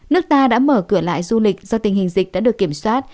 nước ta đã mở cửa lại du lịch do tình hình dịch đã được kiểm soát